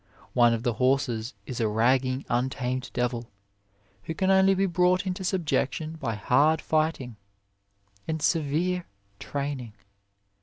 One of the horses is a rag ing, untamed devil, who can only be brought into subjection by hard fighting and severe training.